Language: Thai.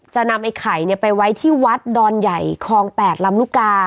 จะนำไอ้ไข่ไปไว้ที่วัดดอนใหญ่คลอง๘ลำลูกกา